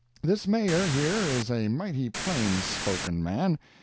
This Mayor here is a mighty plain spoken man.